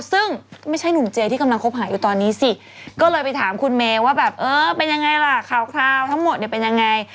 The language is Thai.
ซึ่งไม่ใช่หนุ่มเจที่กำลังคบหาอยู่ตอนนี้สิก็เลยไปถามคุณเมย์ว่าแบบเออเป็นยังไงล่ะข่าวทั้งหมดเนี่ยเป็นยังไง